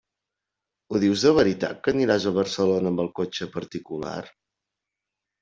Ho dius de veritat que aniràs a Barcelona amb el cotxe particular?